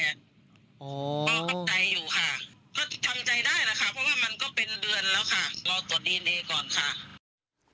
ก็ตั้งใจอยู่ค่ะก็ทำใจได้นะคะเพราะว่ามันก็เป็นเดือนแล้วค่ะ